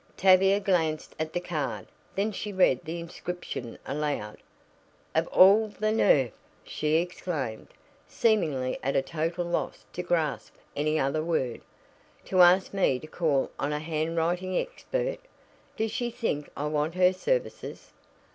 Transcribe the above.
Tavia glanced at the card. Then she read the inscription aloud. "Of all the nerve!" she exclaimed, seemingly at a total loss to grasp any other word. "To ask me to call on a handwriting expert! Does she think I want her services?"